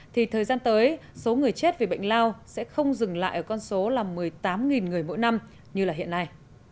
thì thời gian tới số người chết vì bệnh lao sẽ không dừng lại ở con số là một mươi tám người mỗi năm như hiện nay